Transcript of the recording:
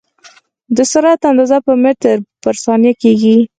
د سرعت اندازه په متر پر ثانیه کېږي.